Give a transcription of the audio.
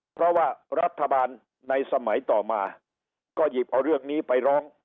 เพราะว่ารัฐบาลในสมัยต่อมาก็หยิบเอาเรื่องนี้ไปร้อง